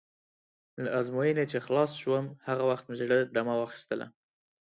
له ازموینې چې خلاص شوم، هغه وخت مې زړه دمه واخیستله.